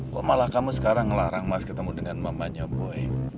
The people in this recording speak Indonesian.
kok malah kamu sekarang ngelarang mas ketemu dengan mamanya boy